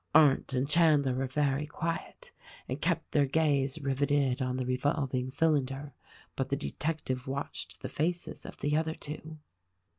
Arndt and Chandler were very quiet and kept their gaze riveted on the revolving cylinder, but the detective watched the faces of the other two.